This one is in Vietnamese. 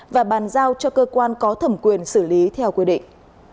và bàn giao cho cơ quan có thẩm quyền xử lý theo quy định